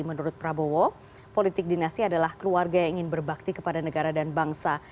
menurut prabowo politik dinasti adalah keluarga yang ingin berbakti kepada negara dan bangsa